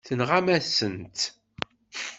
Tenɣam-asen-tt.